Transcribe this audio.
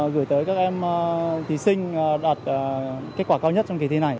gửi tới các em thí sinh đạt kết quả cao nhất trong kỳ thi này